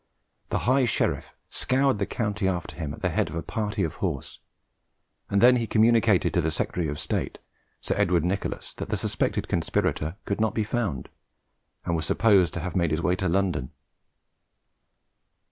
The High Sheriff scoured the country after him at the head of a party of horse, and then he communicated to the Secretary of State, Sir Edward Nicholas, that the suspected conspirator could not be found, and was supposed to have made his way to London.